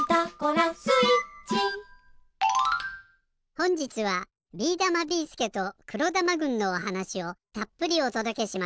ほんじつはビーだま・ビーすけと黒玉軍のおはなしをたっぷりおとどけします。